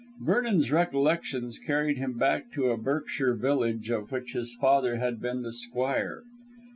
Vernon's recollections carried him back to a Berkshire village of which his father had been the squire.